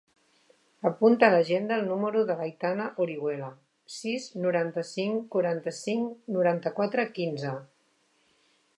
Apunta a l'agenda el número de l'Aitana Orihuela: sis, noranta-cinc, quaranta-cinc, noranta-quatre, quinze.